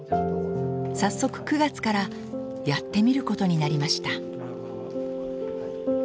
早速９月からやってみることになりました。